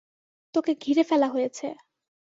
তোকে ঘিরে ফেলা হয়েছে।